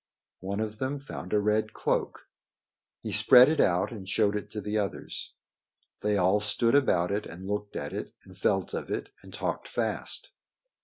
One of them found a red cloak. He spread it out and showed it to the others. They all stood about it and looked at it and felt of it and talked fast.